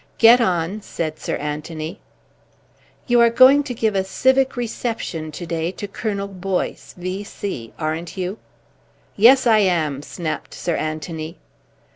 "Get on," said Sir Anthony. "You are going to give a civic reception to day to Colonel Boyce, V.C., aren't you?" "Yes, I am," snapped Sir Anthony.